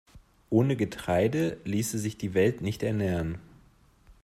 Ohne Getreide ließe sich die Welt nicht ernähren.